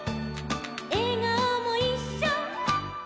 「えがおもいっしょ」